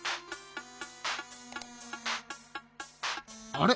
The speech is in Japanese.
あれ？